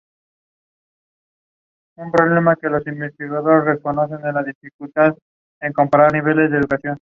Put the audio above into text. Se estrenó oficialmente en los Estados Unidos el por Cartoon Network.